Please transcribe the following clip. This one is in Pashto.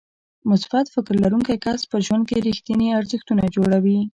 مثبت فکر لرونکی کس په ژوند کې رېښتيني ارزښتونه جوړوي.